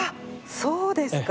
そうですか。